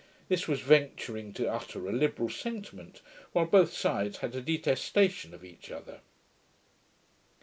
This was venturing to utter a liberal sentiment, while both sides had a detestation of each other.'